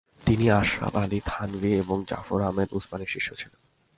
তিনি আশরাফ আলী থানভী ও জাফর আহমদ উসমানির শিষ্য ছিলেন।